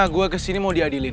gue kesini mau diadilin